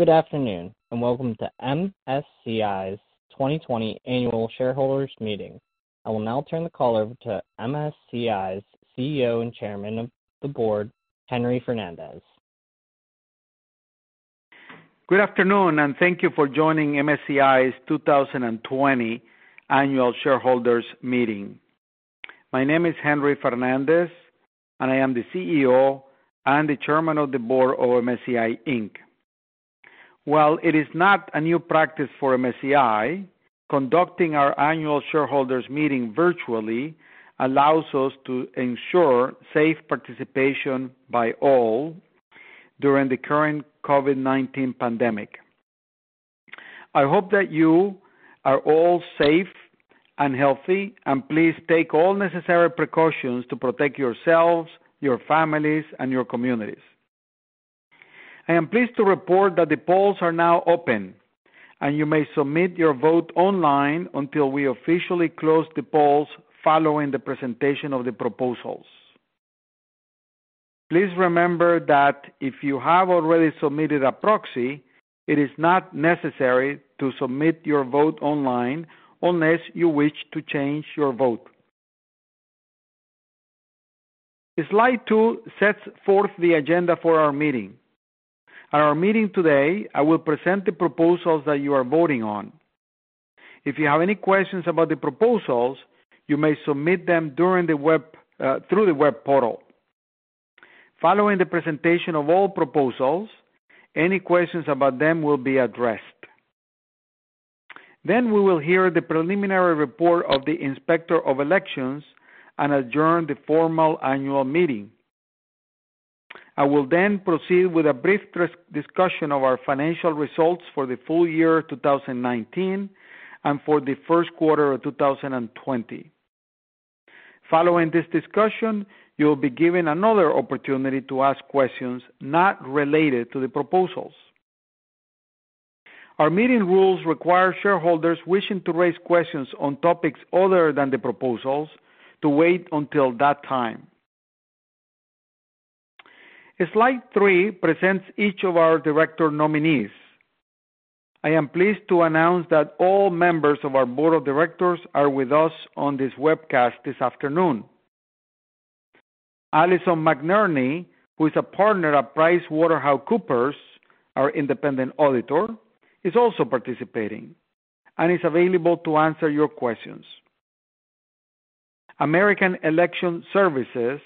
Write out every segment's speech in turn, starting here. Good afternoon, and welcome to MSCI's 2020 annual shareholders meeting. I will now turn the call over to MSCI's CEO and Chairman of the Board, Henry Fernandez. Good afternoon, and thank you for joining MSCI's 2020 annual shareholders meeting. My name is Henry Fernandez, and I am the CEO and the Chairman of the Board of MSCI Inc. While it is not a new practice for MSCI, conducting our annual shareholders meeting virtually allows us to ensure safe participation by all during the current COVID-19 pandemic. I hope that you are all safe and healthy, and please take all necessary precautions to protect yourselves, your families, and your communities. I am pleased to report that the polls are now open, and you may submit your vote online until we officially close the polls following the presentation of the proposals. Please remember that if you have already submitted a proxy, it is not necessary to submit your vote online unless you wish to change your vote. Slide two sets forth the agenda for our meeting. At our meeting today, I will present the proposals that you are voting on. If you have any questions about the proposals, you may submit them through the web portal. Following the presentation of all proposals, any questions about them will be addressed. Then we will hear the preliminary report of the Inspector of Elections and adjourn the formal annual meeting. I will then proceed with a brief discussion of our financial results for the full year 2019 and for the first quarter of 2020. Following this discussion, you will be given another opportunity to ask questions not related to the proposals. Our meeting rules require shareholders wishing to raise questions on topics other than the proposals to wait until that time. Slide three presents each of our director nominees. I am pleased to announce that all members of our board of directors are with us on this webcast this afternoon. Allison McNerney, who is a partner at PricewaterhouseCoopers, our independent auditor, is also participating and is available to answer your questions. American Election Services,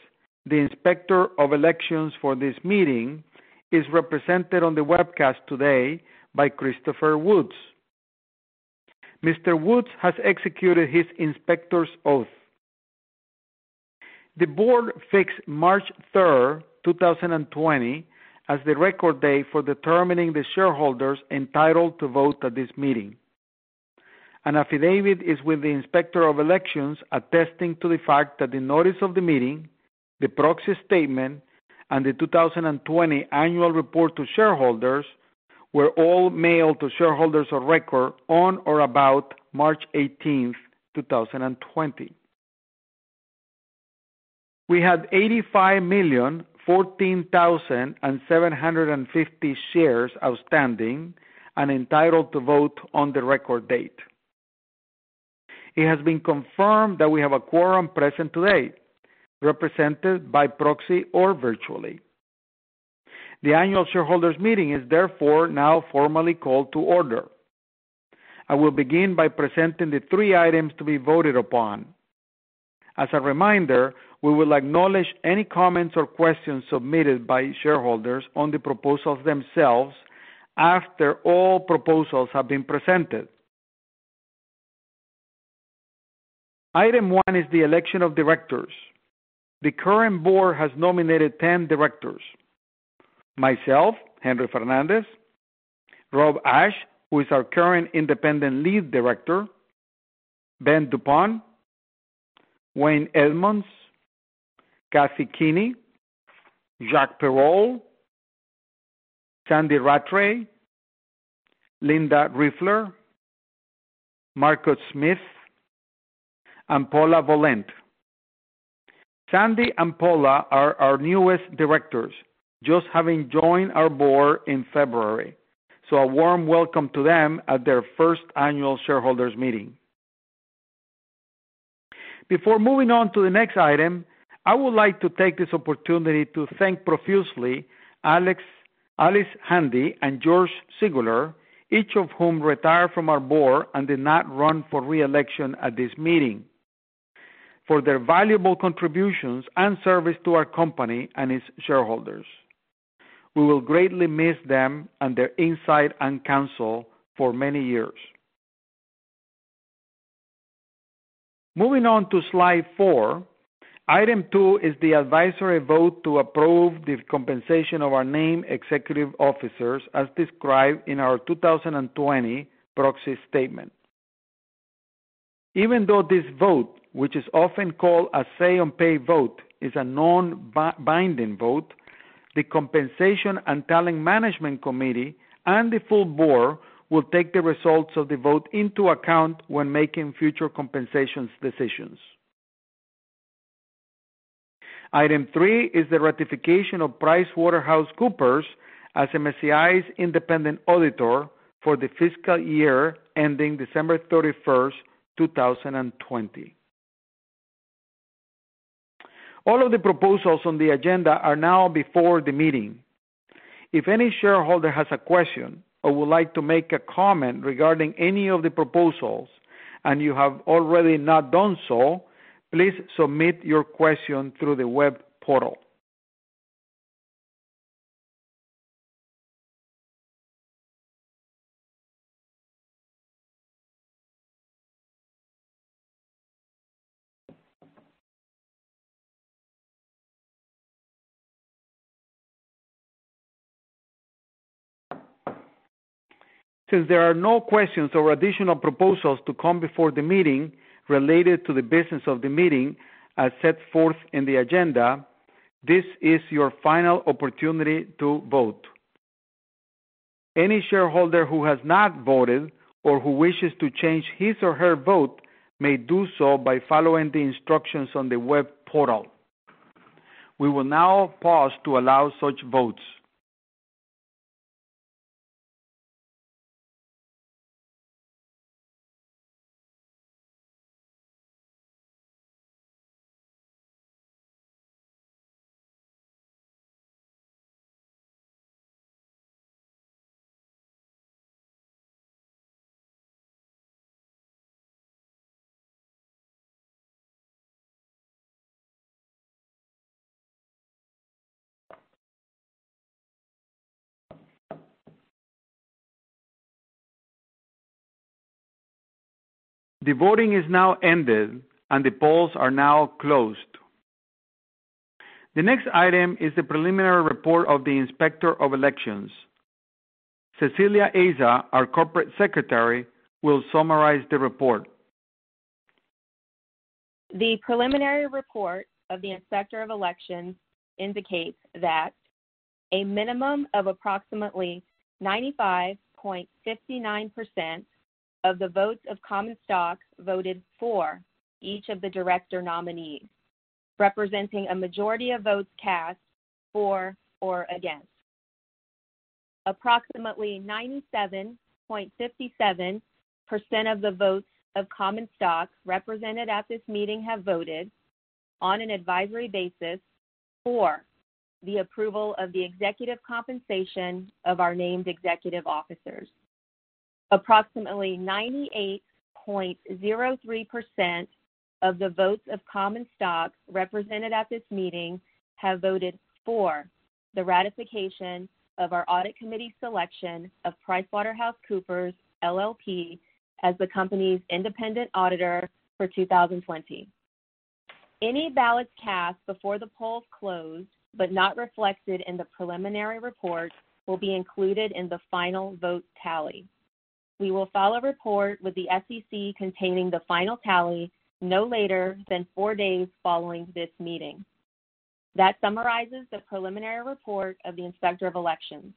the Inspector of Elections for this meeting, is represented on the webcast today by Christopher Woods. Mr. Woods has executed his Inspector's oath. The board fixed March 3rd, 2020, as the record date for determining the shareholders entitled to vote at this meeting. An affidavit is with the Inspector of Elections attesting to the fact that the notice of the meeting, the proxy statement, and the 2020 annual report to shareholders were all mailed to shareholders of record on or about March 18th, 2020. We had 85,014,750 shares outstanding and entitled to vote on the record date. It has been confirmed that we have a quorum present today, represented by proxy or virtually. The annual shareholders meeting is now formally called to order. I will begin by presenting the three items to be voted upon. As a reminder, we will acknowledge any comments or questions submitted by shareholders on the proposals themselves after all proposals have been presented. Item one is the election of directors. The current board has nominated 10 directors. Myself, Henry Fernandez, Rob Ashe, who is our current Independent Lead Director, Ben duPont, Wayne Edmunds, Kathy Kinney, Jack Perold, Sandy Rattray, Linda Riefler, Marcus Smith, and Paula Volent. Sandy and Paula are our newest directors, just having joined our board in February, a warm welcome to them at their first annual shareholders meeting. Before moving on to the next item, I would like to take this opportunity to thank profusely Alice Handy and George Siguler, each of whom retired from our board and did not run for re-election at this meeting, for their valuable contributions and service to our company and its shareholders. We will greatly miss them and their insight and counsel for many years. Moving on to slide four, item two is the advisory vote to approve the compensation of our named executive officers as described in our 2020 proxy statement. Even though this vote, which is often called a say on pay vote, is a non-binding vote, the Compensation and Talent Management Committee and the full board will take the results of the vote into account when making future compensations decisions. Item three is the ratification of PricewaterhouseCoopers as MSCI's independent auditor for the fiscal year ending December 31st, 2020. All of the proposals on the agenda are now before the meeting. If any shareholder has a question or would like to make a comment regarding any of the proposals, and you have already not done so, please submit your question through the web portal. Since there are no questions or additional proposals to come before the meeting related to the business of the meeting as set forth in the agenda, this is your final opportunity to vote. Any shareholder who has not voted or who wishes to change his or her vote may do so by following the instructions on the web portal. We will now pause to allow such votes. The voting is now ended, and the polls are now closed. The next item is the preliminary report of the Inspector of Elections. Cecilia Aza, our Corporate Secretary, will summarize the report. The preliminary report of the Inspector of Elections indicates that a minimum of approximately 95.59% of the votes of common stock voted for each of the director nominees, representing a majority of votes cast for or against. Approximately 97.57% of the votes of common stock represented at this meeting have voted on an advisory basis for the approval of the executive compensation of our named executive officers. Approximately 98.03% of the votes of common stock represented at this meeting have voted for the ratification of our Audit Committee selection of PricewaterhouseCoopers LLP as the company's independent auditor for 2020. Any ballots cast before the polls closed but not reflected in the preliminary report will be included in the final vote tally. We will file a report with the SEC containing the final tally no later than four days following this meeting. That summarizes the preliminary report of the Inspector of Elections.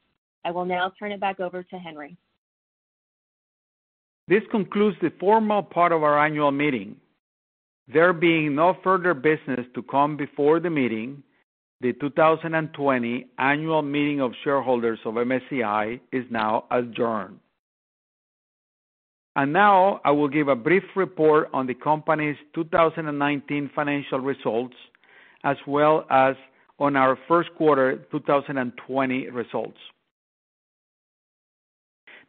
I will now turn it back over to Henry. This concludes the formal part of our annual meeting. There being no further business to come before the meeting, the 2020 Annual Meeting of Shareholders of MSCI is now adjourned. Now I will give a brief report on the company's 2019 financial results, as well as on our first quarter 2020 results.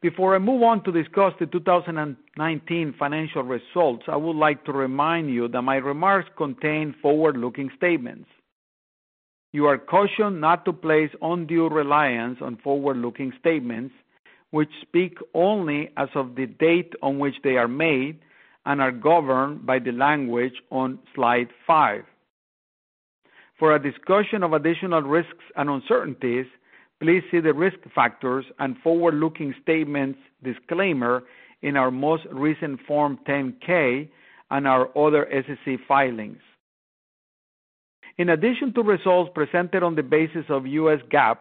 Before I move on to discuss the 2019 financial results, I would like to remind you that my remarks contain forward-looking statements. You are cautioned not to place undue reliance on forward-looking statements, which speak only as of the date on which they are made and are governed by the language on slide five. For a discussion of additional risks and uncertainties, please see the Risk Factors and Forward-Looking Statements Disclaimer in our most recent Form 10-K and our other SEC filings. In addition to results presented on the basis of U.S. GAAP,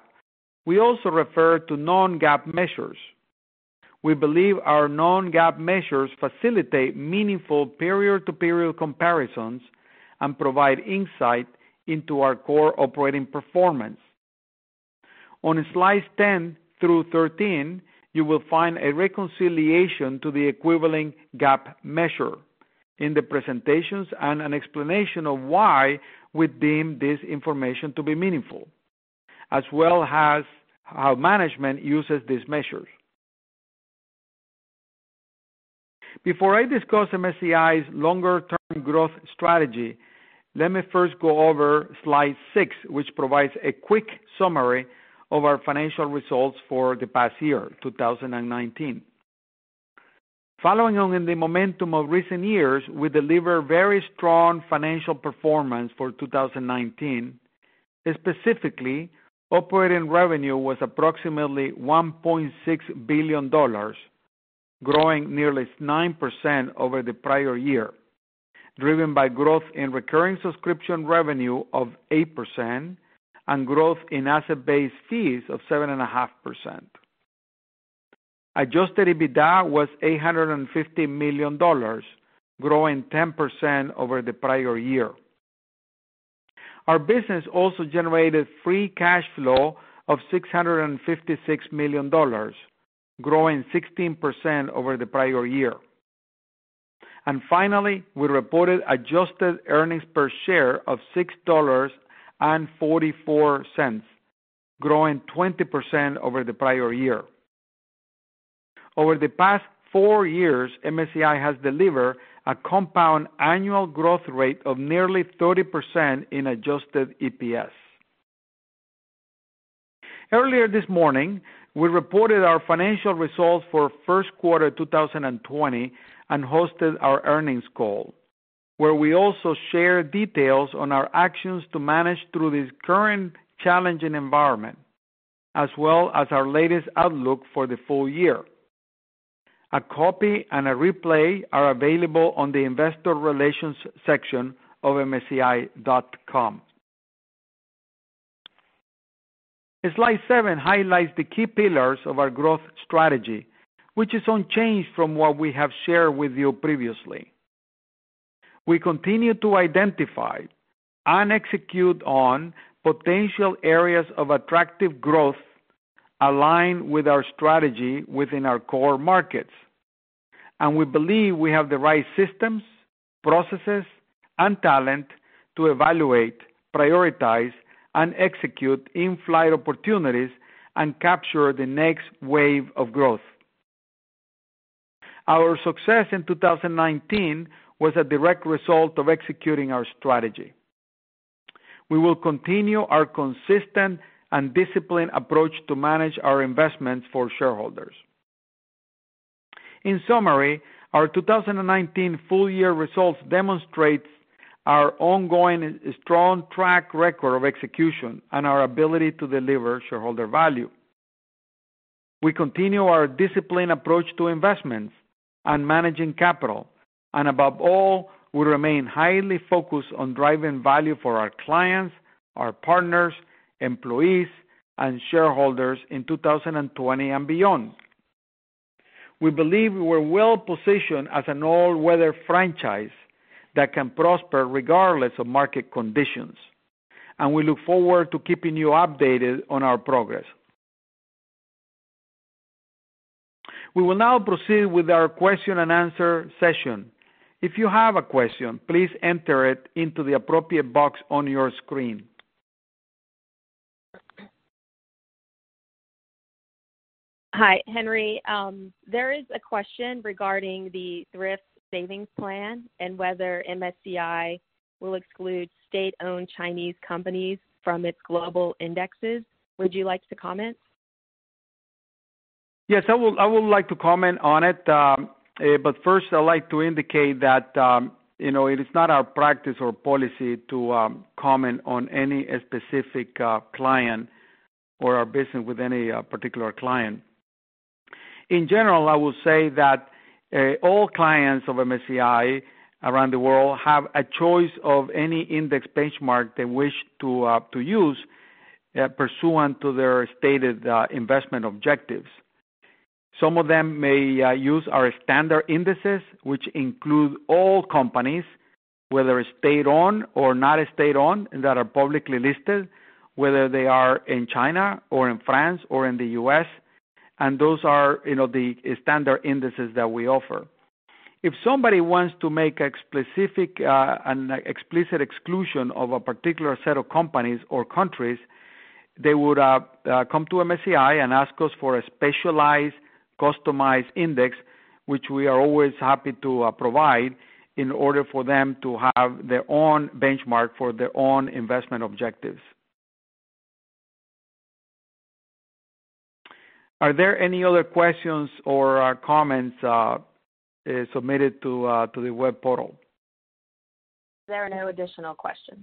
we also refer to non-GAAP measures. We believe our non-GAAP measures facilitate meaningful period-to-period comparisons and provide insight into our core operating performance. On slides 10 through 13, you will find a reconciliation to the equivalent GAAP measure in the presentations and an explanation of why we deem this information to be meaningful, as well as how management uses these measures. Before I discuss MSCI's longer-term growth strategy, let me first go over slide six, which provides a quick summary of our financial results for the past year, 2019. Following on the momentum of recent years, we delivered very strong financial performance for 2019. Specifically, operating revenue was approximately $1.6 billion, growing nearly 9% over the prior year, driven by growth in recurring subscription revenue of 8% and growth in asset-based fees of 7.5%. Adjusted EBITDA was $850 million, growing 10% over the prior year. Our business also generated free cash flow of $656 million, growing 16% over the prior year. Finally, we reported adjusted earnings per share of $6.44, growing 20% over the prior year. Over the past four years, MSCI has delivered a compound annual growth rate of nearly 30% in adjusted EPS. Earlier this morning, we reported our financial results for first quarter 2020 and hosted our earnings call, where we also shared details on our actions to manage through this current challenging environment, as well as our latest outlook for the full year. A copy and a replay are available on the investor relations section of msci.com. Slide seven highlights the key pillars of our growth strategy, which is unchanged from what we have shared with you previously. We continue to identify and execute on potential areas of attractive growth aligned with our strategy within our core markets, and we believe we have the right systems, processes, and talent to evaluate, prioritize, and execute in-flight opportunities and capture the next wave of growth. Our success in 2019 was a direct result of executing our strategy. We will continue our consistent and disciplined approach to manage our investments for shareholders. In summary, our 2019 full year results demonstrates our ongoing strong track record of execution and our ability to deliver shareholder value. We continue our disciplined approach to investments and managing capital. Above all, we remain highly focused on driving value for our clients, our partners, employees, and shareholders in 2020 and beyond. We believe we are well-positioned as an all-weather franchise that can prosper regardless of market conditions, and we look forward to keeping you updated on our progress. We will now proceed with our question and answer session. If you have a question, please enter it into the appropriate box on your screen. Hi, Henry. There is a question regarding the Thrift Savings Plan and whether MSCI will exclude state-owned Chinese companies from its global indexes. Would you like to comment? Yes, I would like to comment on it. First, I'd like to indicate that it is not our practice or policy to comment on any specific client or our business with any particular client. In general, I will say that all clients of MSCI around the world have a choice of any index benchmark they wish to use pursuant to their stated investment objectives. Some of them may use our standard indices, which include all companies, whether state-owned or not state-owned, that are publicly listed, whether they are in China or in France or in the U.S., and those are the standard indices that we offer. If somebody wants to make a specific and explicit exclusion of a particular set of companies or countries, they would come to MSCI and ask us for a specialized, customized index, which we are always happy to provide in order for them to have their own benchmark for their own investment objectives. Are there any other questions or comments submitted to the web portal? There are no additional questions.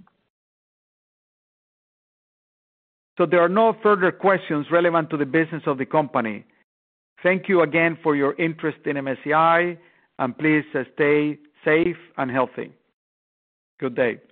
There are no further questions relevant to the business of the company. Thank you again for your interest in MSCI and please stay safe and healthy. Good day.